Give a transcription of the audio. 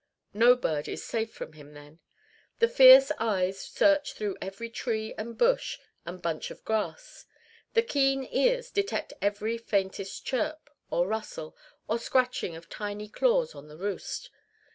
No bird is safe from him then. The fierce eyes search through every tree and bush and bunch of grass. The keen ears detect every faintest chirp, or rustle, or scratching of tiny claws on the roost.